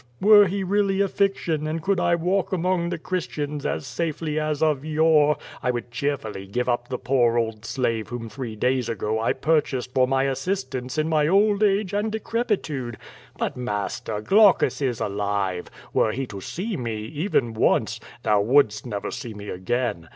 were he really a fiction and could I walk among the Christians as safely as of yore, I would cheerfully give up the poor old slave whom three days ago I purchased for my as sistance in my old age and decrepitude. But, master, Glau cus is alive. Were he to see me, even once, thou wouldst never see me again.